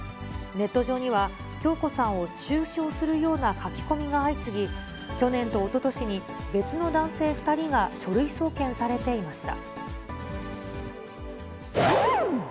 ネット上には、響子さんを中傷するような書き込みが相次ぎ、去年とおととしに別の男性２人が書類送検されていました。